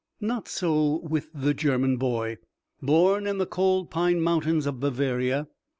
Not so with the German boy, born in the cold Pine Mountains of Bavaria.